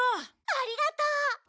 「ありがとう！」